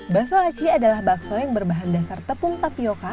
bakso aci adalah bakso yang berbahan dasar tepung tapioca